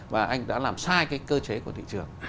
và anh đã làm sai cái cơ chế của thị trường